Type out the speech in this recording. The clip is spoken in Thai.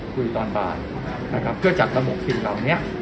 คุยตอนบ่ายนะครับเพื่อจัดระบบสิ่งเหล่านี้